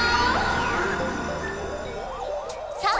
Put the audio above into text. さあ！